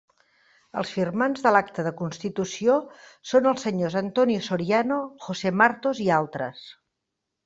Els firmants de l'acta de constitució són els senyors Antonio Soriano, José Martos i altres.